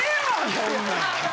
そんなん！